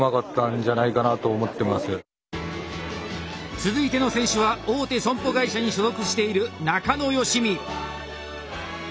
続いての選手は大手損保会社に所属している仲野佳美。